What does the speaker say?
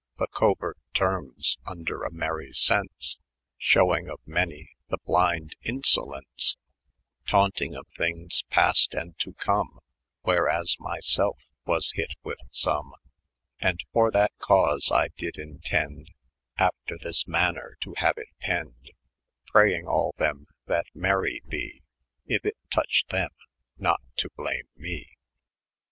The coaert termea, vnder a mery senoe, Shewyng of many the blynd in Bolence, Tauntyng of thyuges past and to come, Where as my selfe was hyt with some ; And for that canae I dyd intend After thya maner to haue it pende, Prayeng all them that mery be. If it touch themj not to blame me.